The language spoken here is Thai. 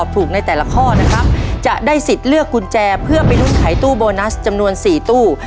ไปรุ้นขายตู้โบนัสจำนวน๔ตู้